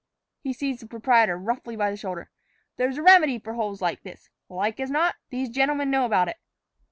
He seized the proprietor roughly by the shoulder. "There's a remedy for holes like this. Like as not, these gentlemen know about it."